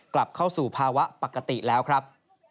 กลับเข้าสู่ภาวะปกติแล้วครับ